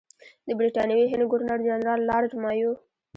د برټانوي هند ګورنر جنرال لارډ مایو.